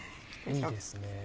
いいですねぇ。